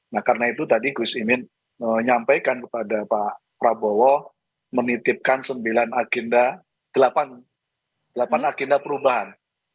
nah karena itu tadi gus imin menyampaikan kepada pak prabowo menitipkan sembilan agenda delapan agenda perubahan